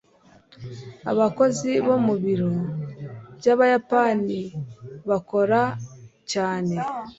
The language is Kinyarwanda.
abakozi bo mu biro byabayapani bakora cyane